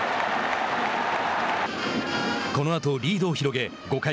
このあとリードを広げ、５回。